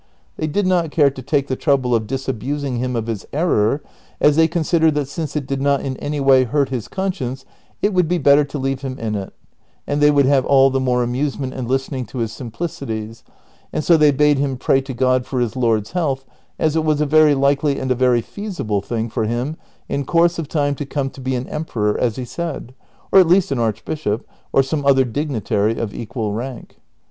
They did not care to take the trouble of disabusing him of his error, as they considered that since it did not in any way hurt his conscience it would be better to leave him in it, and they would have all the more amusement in listening to his simplicities ; and so they bade him pray to God for his lord's health, as it was a very likely and a very feasible thing for him in course of time to come to be an emperor, as he said, or at least an archbishop or some other dignitary of equal rank.